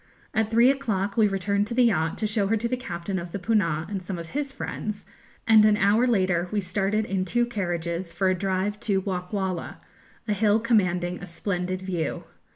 At three o'clock we returned to the yacht, to show her to the captain of the 'Poonah' and some of his friends, and an hour later we started in two carriages for a drive to Wockwalla, a hill commanding a splendid view.